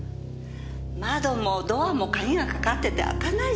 窓もドアも鍵がかかってて開かないじゃないの。